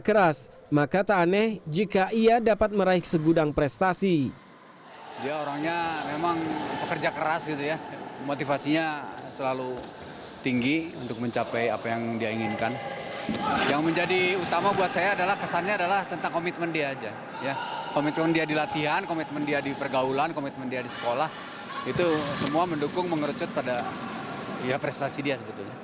komitmen dia di latihan komitmen dia di pergaulan komitmen dia di sekolah itu semua mendukung mengerucut pada prestasi dia